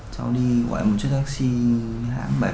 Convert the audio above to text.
cháu đi gọi một chiếc taxi hãng bảy trăm bảy mươi tám